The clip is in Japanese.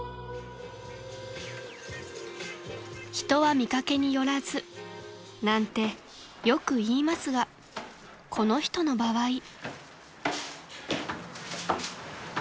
［「人は見掛けによらず」なんてよくいいますがこの人の場合］